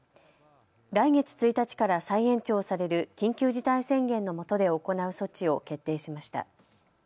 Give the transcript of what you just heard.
来月１日から再延長される緊急事態宣言のもとで行う措置を決定しました。